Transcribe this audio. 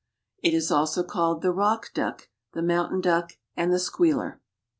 It is also called the Rock Duck, the Mountain Duck and the Squealer.